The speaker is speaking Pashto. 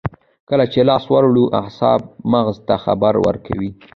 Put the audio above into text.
کله چې لاس ور وړو اعصاب مغز ته خبر ورکوي